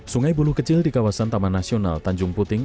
sungai bulu kecil di kawasan taman nasional tanjung puting